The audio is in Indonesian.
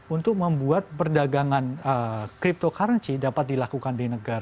untuk membuat perdagangan cryptocurrency dapat dilakukan di negara